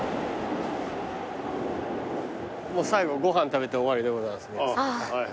もう最後ご飯食べて終わりでございます。